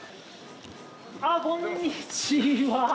あっこんにちは。